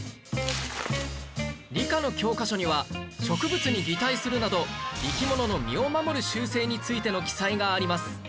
理科の教科書には植物に擬態するなど生き物の身を守る習性についての記載があります